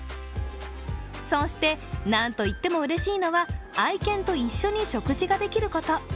そして、なんといってもうれしいのは愛犬と一緒に食事ができること。